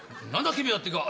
君は」ってか。